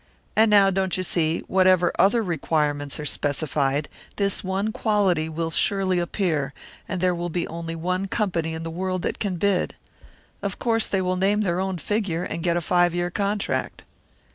And now, don't you see whatever other requirements are specified, this one quality will surely appear; and there will be only one company in the world that can bid. Of course they will name their own figure, and get a five year contract."